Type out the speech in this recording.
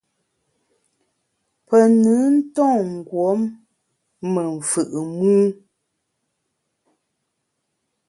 Pe nùn nton ngùom me mfù’ mû.